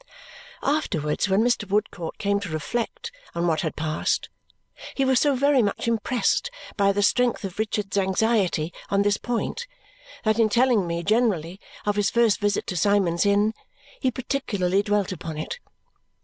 Afterwards, when Mr. Woodcourt came to reflect on what had passed, he was so very much impressed by the strength of Richard's anxiety on this point that in telling me generally of his first visit to Symond's Inn he particularly dwelt upon it.